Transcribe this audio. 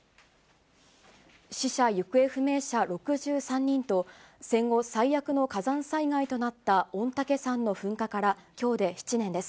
死者・行方不明者６３人と、戦後最悪の火山災害となった御嶽山の噴火からきょうで７年です。